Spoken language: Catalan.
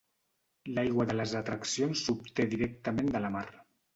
L'aigua de les atraccions s'obté directament de la mar.